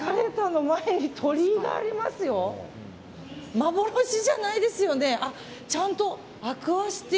幻じゃないですよね？